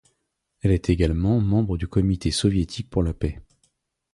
Elle est également membre du Comité soviétique pour la paix.